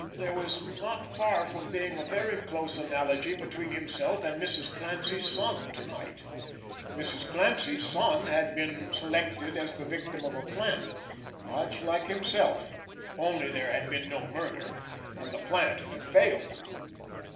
There was not far from being a very close analogy between himself and Mrs. Clancy's son to night. Mrs. Clancy's son had been selected as the victim of a "plant" much like himself—only there had been no murder, and the "plant" had failed.